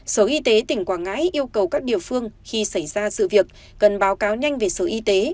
sở y tế tỉnh quảng ngãi yêu cầu các địa phương khi xảy ra sự việc cần báo cáo nhanh về sở y tế